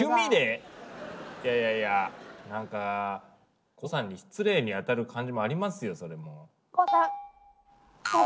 いやいやいやなんか胡さんに失礼に当たる感じもありますよ。